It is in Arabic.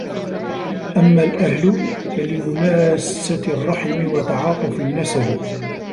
أَمَّا الْأَهْلُ فَلِمُمَاسَّةِ الرَّحِمِ وَتَعَاطُفِ النَّسَبِ